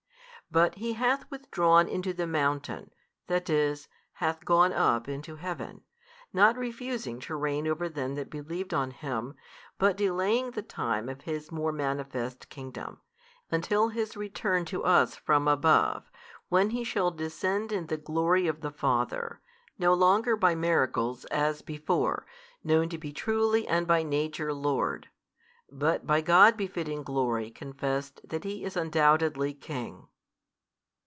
But He hath withdrawn into the mountain, that is, hath gone up into Heaven, not refusing to reign over them that believed on Him, but delaying the time of His more manifest kingdom, until His return to us from above, when He shall descend in the glory of the Father, no longer by miracles, as before, known to be truly and by |336 Nature Lord, but by God befitting glory confessed that He is undoubtedly King.